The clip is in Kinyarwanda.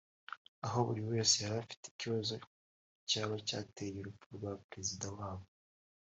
aho buri wese yari afite ikibazo ku cyaba cyateye urupfu rwa Perezida wabo